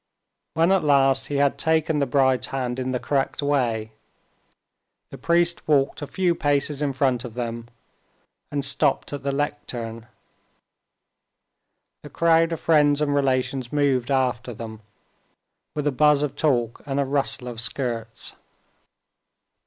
When at last he had taken the bride's hand in the correct way, the priest walked a few paces in front of them and stopped at the lectern. The crowd of friends and relations moved after them, with a buzz of talk and a rustle of skirts.